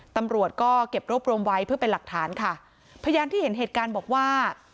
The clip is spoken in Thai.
ตำรวจก็เก็บรวบรวมไว้เพื่อเป็นหลักฐานค่ะพยานที่เห็นเหตุการณ์บอกว่า